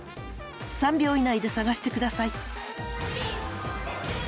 ３秒以内で探して下さい。